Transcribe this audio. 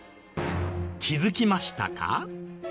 気づきましたか？